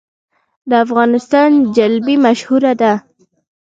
د افغانستان جلبي مشهوره ده